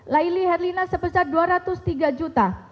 laili herlina sebesar rp dua ratus tiga